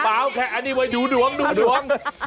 เอาแค่อันนี้ไว้ดูดวงดูดวง